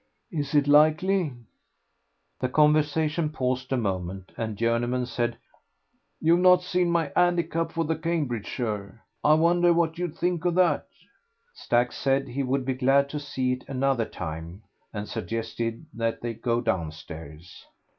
"Is it likely?" The conversation paused a moment, and Journeyman said, "You've not seen my 'andicap for the Cambridgeshire. I wonder what you'd think of that?" Stack said he would be glad to see it another time, and suggested that they go downstairs.